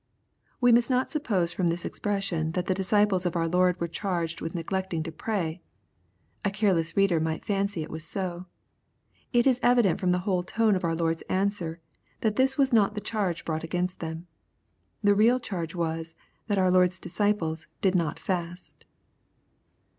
] We must not suppose from this ex pression, that the disciples of our Lord were charged with neglect ing to pray. A careless reader might fancy it was so. It is evi dent from the whole tone of our Lord's answer, that this was not the charge brought against them. The real charge was, that our Lord's disciples " did not fest."